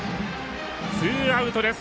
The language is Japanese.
ツーアウトです。